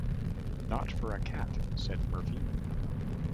"Not for a cat," said Murphy.